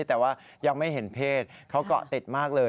แต่ว่ายังไม่เห็นเพศเขาเกาะติดมากเลย